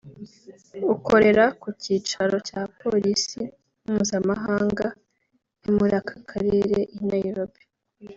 ukorera ku cyicaro cya Polisi Mpuzamahanga yo muri aka karere i Nairobi